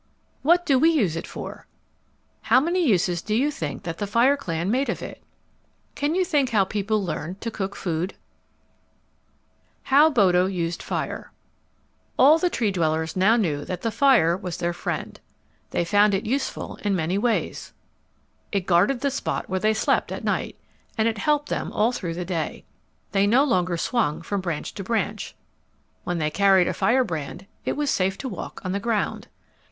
What do we use it for? How many uses do you think that the fire clan made of it? Can you think how people learned to cook food? [Illustration: "Sabre tooth was large and fierce"] How Bodo Used Fire All the Tree dwellers now knew that the fire was their friend. They found it useful in many ways. It guarded the spot where they slept at night, and it helped them all through the day. They no longer swung from branch to branch. When they carried a firebrand, it was safe to walk on the ground.